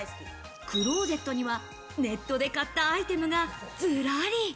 クローゼットには、ネットで買ったアイテムがずらり。